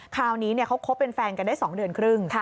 คราวนี้เขาคบเป็นแฟนกันได้๒เดือนครึ่ง